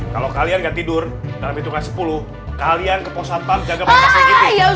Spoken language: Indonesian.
kalau kalian nggak tidur dalam hitungan sepuluh kalian ke posat pam jaga pangkat segitu